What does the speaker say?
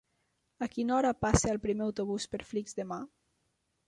A quina hora passa el primer autobús per Flix demà?